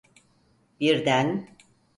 Birden…